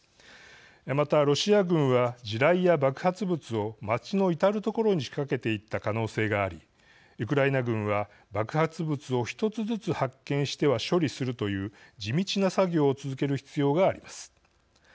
またロシア軍は、地雷や爆発物を町の至る所に仕掛けていった可能性がありウクライナ軍は爆発物を１つずつ発見しては処理するという地道な作業を続ける必要があります。